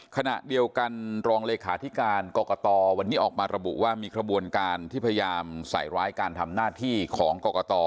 ขณะเดียวกันรองเลขาธิการกรกตวันนี้ออกมาระบุว่ามีขบวนการที่พยายามใส่ร้ายการทำหน้าที่ของกรกต